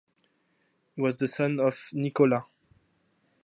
He was the son of Nikola.